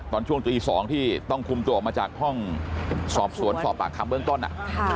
ตอนช่วงตี๒ที่ต้องคุมตัวออกมาจากห้องสอบสวนสอบปากคำเบื้องต้น